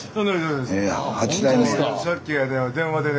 さっき電話でね